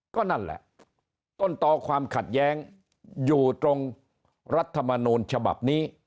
ก็นั่นแหละต้นต่อความขัดแย้งอยู่ตรงรัฐมนูลฉบับนี้